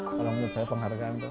kalau menurut saya penghargaan itu